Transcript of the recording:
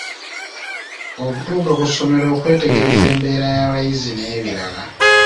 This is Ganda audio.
Okutuuka ku ssomero okwetegereza embeera y'abayizi n'ebirala.